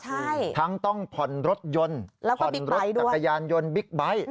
ใช่ทั้งต้องผ่อนรถยนต์ผ่อนรถจักรยานยนต์บิ๊กไบท์